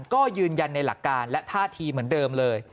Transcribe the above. ก็ยืนยันในหลักการและท่าทีเหมือนเดิมเลย